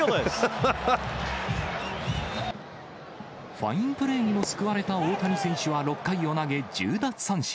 ファインプレーにも救われた大谷選手は６回を投げ１０奪三振。